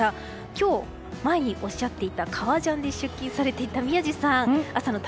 今日、前におっしゃっていた革ジャンで出勤されていた宮司さん